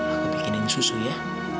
aku bikinin susu ya